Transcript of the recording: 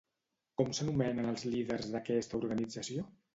Com s'anomenen els líders d'aquesta organització?